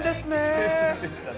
青春でしたね。